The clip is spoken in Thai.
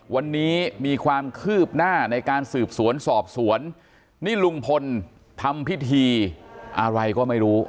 วันนี้มีความคืบหน้าในการสืบสวนสอบสวนนี่ลุงพลทำพิธีอะไรก็ไม่รู้